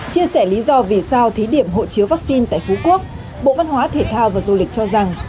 chia sẻ lý do vì sao thí điểm hộ chiếu vaccine tại phú quốc bộ văn hóa thể thao và du lịch cho rằng